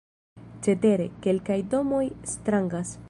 Cetere, kelkaj domoj strangas.